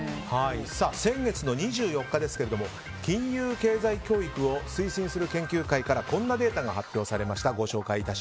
先月の２４日ですけれども金融経済教育を推進する研究会からこんなデータが発表されました。